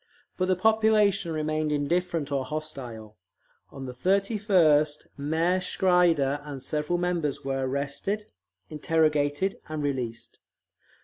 But the population remained indifferent or hostile. On the 31st Mayor Schreider and several members were arrested, interrogated, and released.